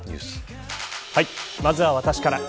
まずは私から。